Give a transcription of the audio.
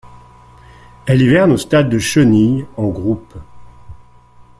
Elle hiverne au stade de chenille, en groupe.